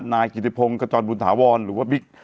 นายกิติพงศ์ขจรบุญถาวรหรือว่าบิ๊ก